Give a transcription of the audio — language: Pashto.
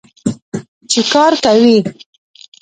چې کار کوي.